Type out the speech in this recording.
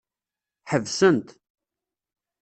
Ḥebsent.